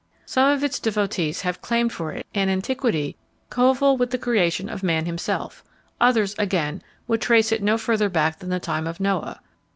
Some of its devotees have claimed for it an antiquity coeval with the creation of man himself, others, again, would trace it no further back than the time of Noah.